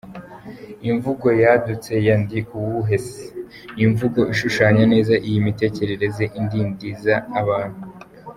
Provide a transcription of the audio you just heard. Imvugo yadutse ya “Ndi uwuhe se”? Ni imvugo ishushanya neza iyi mitekerereze idindiza abantu.